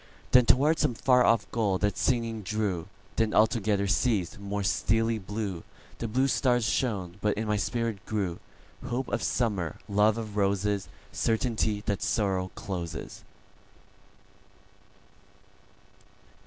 Then toward some far off goal that singing drew; Then altogether ceas'd; more steely blueThe blue stars shone; but in my spirit grewHope of Summer, love of Roses, Certainty that Sorrow closes.